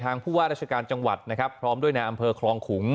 ผู้ว่าราชการจังหวัดนะครับพร้อมด้วยในอำเภอคลองขุง